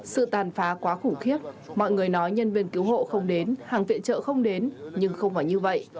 sự tàn phá quá khủng khiếp mọi người nói nhân viên cứu hộ không đến hàng viện trợ không đến nhưng không phải như vậy